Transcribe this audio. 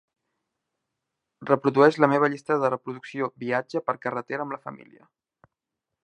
reprodueix la meva llista de reproducció Viatge per carretera amb la família.